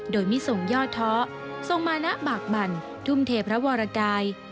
โดยมิทรงย่อท้อทรงมานะบากบั่นทุ่มเทพระวรกาย